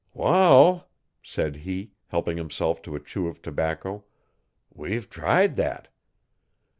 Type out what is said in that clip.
'Wall,' said he, helping himself to a chew of tobacco, 'we ve tried thet.